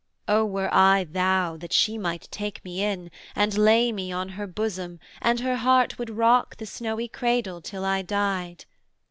'O were I thou that she might take me in, And lay me on her bosom, and her heart Would rock the snowy cradle till I died.